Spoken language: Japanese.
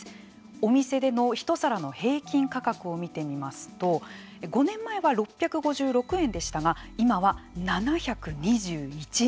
お店でのひと皿の平均価格を見てみますと５年前は６５６円でしたが今は７２１円。